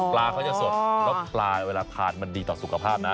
ปลาเขาจะสดแล้วปลาเวลาทานมันดีต่อสุขภาพนะ